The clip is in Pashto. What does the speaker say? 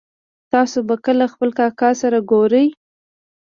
تاسو به کله خپل کاکا سره ګورئ